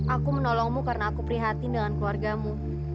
aku menolongmu karena aku prihatin dengan keluargamu